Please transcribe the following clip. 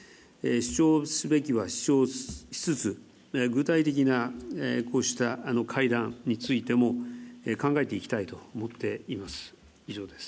主張すべきは主張しつつ、具体的なこうした会談についても考えていきたいと思っています。